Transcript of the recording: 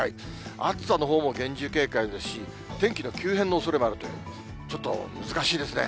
暑さのほうも厳重警戒ですし、天気の急変のおそれもあるという、ちょっと難しいですね。